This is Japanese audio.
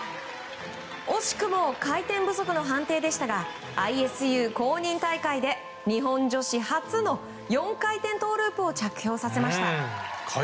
惜しくも回転不足の判定でしたがＩＳＵ公認大会で日本女子初の４回転トウループを着氷させました。